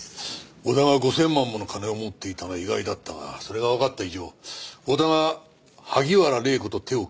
小田が５０００万もの金を持っていたのは意外だったがそれがわかった以上小田は萩原礼子と手を組み